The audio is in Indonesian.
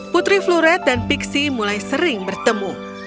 putri floret dan pixie mulai sering bertemu